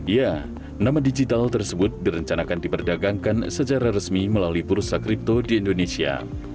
ya nama digital tersebut direncanakan diperdagangkan secara resmi melalui bursa kripto di indonesia